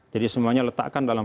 jadi semuanya letakkan dalam